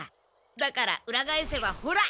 だからうら返せばほら！